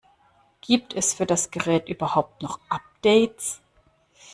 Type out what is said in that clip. Gibt es für das Gerät überhaupt noch Updates?